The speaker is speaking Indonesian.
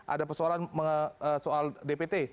ada persoalan soal dpt